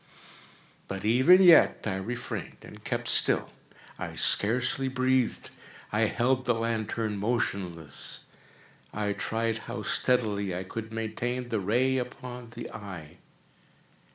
But even yet I refrained and kept still. I scarcely breathed. I held the lantern motionless. I tried how steadily I could maintain the ray upon the eve.